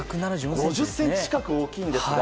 ５０ｃｍ近く大きいんですが。